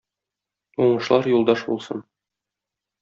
Уңышлар юлдаш булсын!